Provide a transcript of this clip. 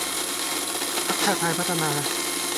พรรคชาติไทยพัฒนา